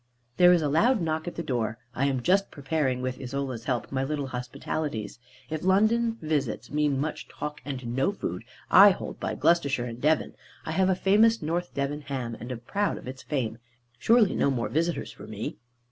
There is a loud knock at the door. I am just preparing (with Isola's help) my little hospitalities. If London visits mean much talk and no food, I hold by Gloucestershire and Devon. I have a famous North Devon ham, and am proud of its fame. Surely no more visitors for me.